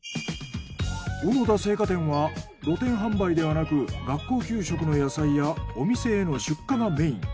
小野田青果店は露店販売ではなく学校給食の野菜やお店への出荷がメイン。